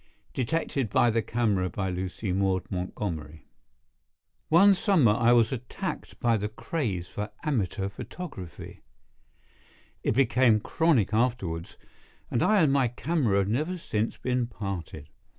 Detected by the CameraToC One summer I was attacked by the craze for amateur photography. It became chronic afterwards, and I and my camera have never since been parted.